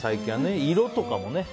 色とかもね。